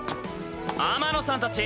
天野さんたち！